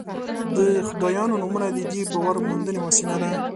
د خدایانو نومونه د دې باور موندنې وسیله ده.